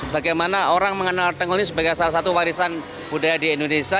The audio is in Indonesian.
bagaimana orang mengenal tengol ini sebagai salah satu warisan budaya di indonesia